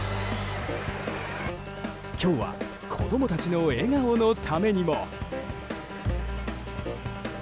今日は子供たちの笑顔のためにも。